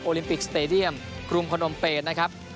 ลิมปิกสเตดียมกรุงพนมเปนนะครับ